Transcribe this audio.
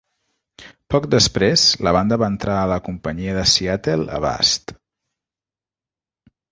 Poc després, la banda va entrar a la companyia de Seattle Avast!